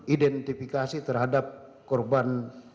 identifikasi terhadap korban